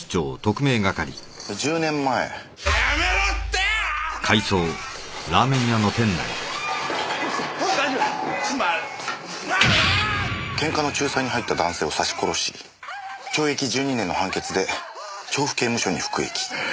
ケンカの仲裁に入った男性を刺し殺し懲役１２年の判決で調布刑務所に服役。